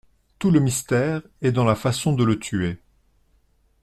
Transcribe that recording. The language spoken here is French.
Tout le mystère est dans la façon de le tuer…